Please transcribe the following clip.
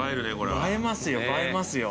映えますよ映えますよ。